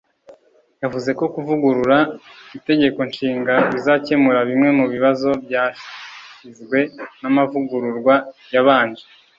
yavuze ko kuvugurura itegeko nshinga bizacyemura bimwe mu bibazo byasizwe n’amavugururwa yabanje